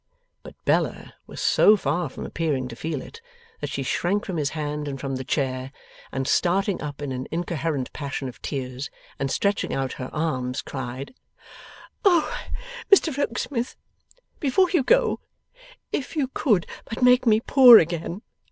But, Bella was so far from appearing to feel it, that she shrank from his hand and from the chair, and, starting up in an incoherent passion of tears, and stretching out her arms, cried, 'O Mr Rokesmith, before you go, if you could but make me poor again!